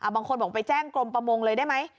บางคนบอกไปแจ้งกรมประมงเลยได้ไหม